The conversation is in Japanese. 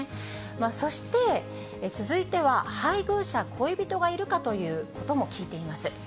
そして、続いては配偶者、恋人がいるかということも聞いています。